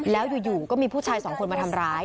แล้วอยู่ก็มีผู้ชายสองคนมาทำร้าย